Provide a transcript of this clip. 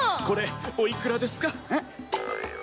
これおいくらですか？